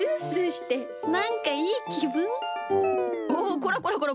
こらこらこら！